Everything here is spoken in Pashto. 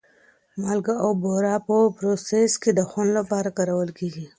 مالګه او بوره په پروسس کې د خوند لپاره کارول کېږي.